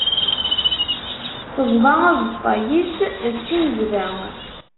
Teẓḍa aẓeṭṭa-is, d timezda.